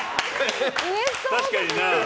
確かにな。